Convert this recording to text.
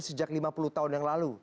sejak lima puluh tahun yang lalu